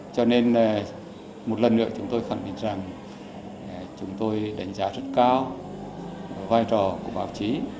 cho nên một lần nữa chúng tôi khẳng định rằng chúng tôi đánh giá rất cao vai trò của báo chí